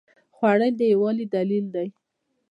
خوړل د یووالي دلیل دی